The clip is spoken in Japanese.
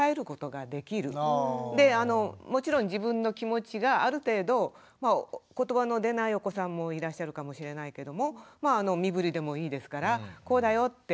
であのもちろん自分の気持ちがある程度言葉の出ないお子さんもいらっしゃるかもしれないけどもまああの身ぶりでもいいですからこうだよって伝えることができる。